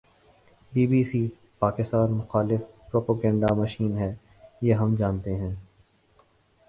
Be B C, Pakistan مخالف propaganda machine ہے۔ یہ ہم جانتے ہیں